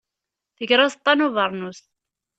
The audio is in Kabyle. Tger aẓeṭṭa n ubeṛnus.